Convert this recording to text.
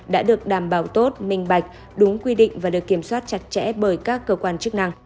đã được đảm bảo tốt minh bạch đúng quy định và được kiểm soát chặt chẽ bởi các cơ quan chức năng